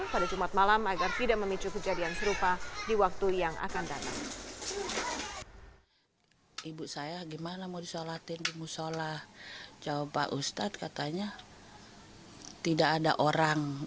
pada jumat malam agar tidak memicu kejadian serupa di waktu yang akan datang